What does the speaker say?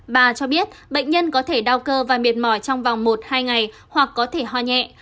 bà cho biết bệnh nhân có thể đau cơ và mệt mỏi trong vòng một hai ngày hoặc có thể ho nhẹ